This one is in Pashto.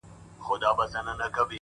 • د امیدونو ساحل,